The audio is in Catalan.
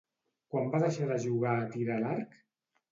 Quan va deixar de jugar a tir a l'arc?